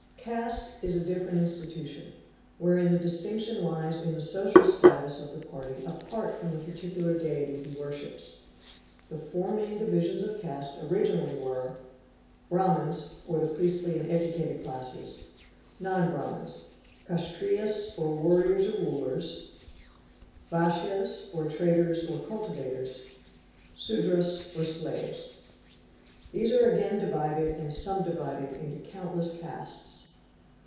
Caste is a different institution, wherein the distinction lies in the ~ T. Sivites. II. Vaishnavites. ; social status of the party apart from the particular deity he worships. The four main divisions of caste originally were— |:'= 1. Brahmins or the priestly and educated classes. ( 2. Kshatriyas or warriors or rulers. be ' Non Brahmins. 3. Vaishyas or traders or cultivators. | 4. Sudras or slaves. These are again divided and sub divided into countless castes.